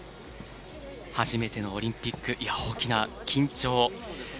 初めてのオリンピック大きな緊張。